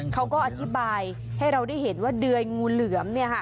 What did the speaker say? เขาก็อธิบายให้เราได้เห็นว่าเดยงูเหลืองเนี่ยค่ะ